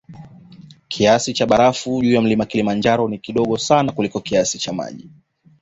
Kiasi cha barafu juu ya mlima ni kidogo sana kuliko kiasi cha maji